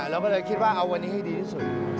เราก็เลยคิดว่าเอาวันนี้ให้ดีที่สุด